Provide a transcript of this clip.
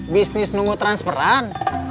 bisnis nunggu transperan